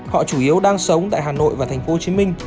họ chủ yếu đang sống tại hà nội và tp hcm